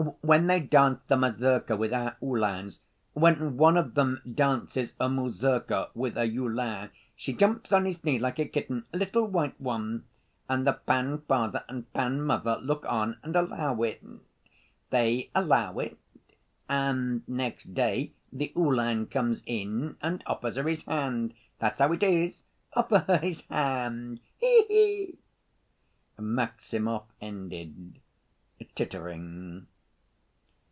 when they danced the mazurka with our Uhlans ... when one of them dances a mazurka with a Uhlan she jumps on his knee like a kitten ... a little white one ... and the _pan_‐father and _pan_‐mother look on and allow it.... They allow it ... and next day the Uhlan comes and offers her his hand.... That's how it is ... offers her his hand, he he!" Maximov ended, tittering.